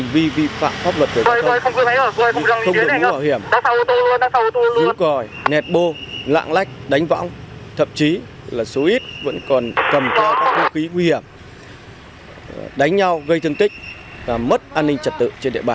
vì vi phạm pháp luật của chúng tôi không được nối bảo hiểm rú còi nẹt bô lạng lách đánh võng thậm chí là số ít vẫn còn cầm theo các hung khí nguy hiểm đánh nhau gây thương tích và mất an ninh trật tự trên địa bàn